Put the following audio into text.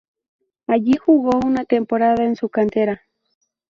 Allí jugó una temporada en su cantera.